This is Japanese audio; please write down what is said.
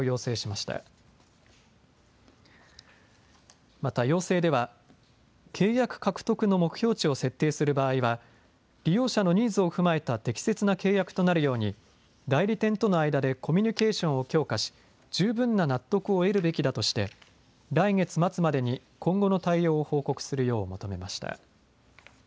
また要請では契約獲得の目標値を設定する場合は利用者のニーズを踏まえた適切な契約となるように代理店との間でコミュニケーションを強化し十分な納得を得るべきだとして来月末までに今後の対応を報告するよう求めました。